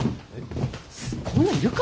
こんなん要るか？